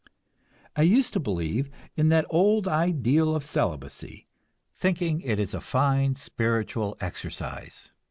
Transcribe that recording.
I used to believe in that old ideal of celibacy, thinking it a fine spiritual exercise.